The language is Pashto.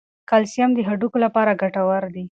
کلسیم د هډوکو لپاره ګټور دی.